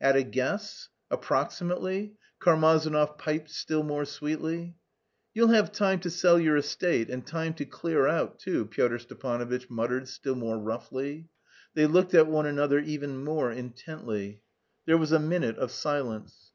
"At a guess? Approximately?" Karmazinov piped still more sweetly. "You'll have time to sell your estate and time to clear out too," Pyotr Stepanovitch muttered still more roughly. They looked at one another even more intently. There was a minute of silence.